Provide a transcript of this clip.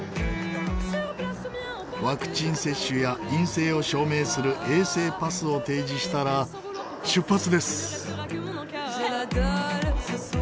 ワクチン接種や陰性を証明する衛生パスを提示したら出発です。